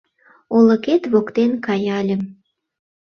Олыкет воктен каяльым